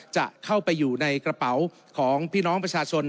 จะเข้าไปอยู่ในกระเป๋าของพี่น้องประชาชน